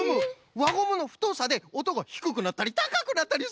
わゴムのふとさでおとがひくくなったりたかくなったりするんじゃね！